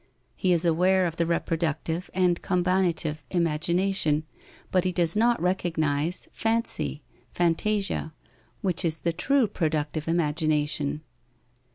He is aware of the reproductive and combinative imagination, but he does not recognize fancy (fantasia), which is the true productive imagination.